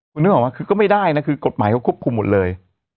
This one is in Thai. คุณนึกออกไหมคือก็ไม่ได้นะคือกฎหมายเขาควบคุมหมดเลย